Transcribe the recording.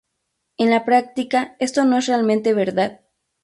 En la práctica esto no es realmente verdad.